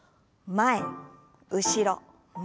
前後ろ前。